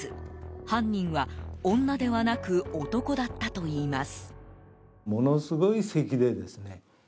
犯人は、女ではなく男だったといいます。